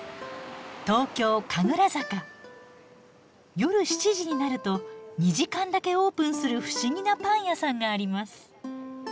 夜７時になると２時間だけオープンする不思議なパン屋さんがあります。